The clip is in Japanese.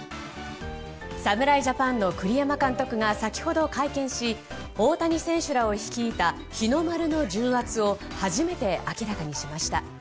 侍ジャパンの栗山監督が先ほど会見し大谷選手らを率いた、日の丸の重圧を初めて明らかにしました。